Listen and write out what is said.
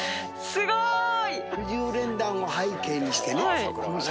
すごい！